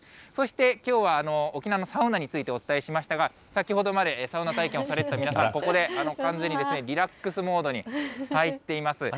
そしてきょうは沖縄のサウナについてお伝えしましたが、先ほどまでサウナ体験をされていた皆さん、ここで、完全にリラックスモードに入っています。